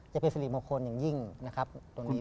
จะเป็นสิริมงคลอย่างยิ่งนะครับตรงนี้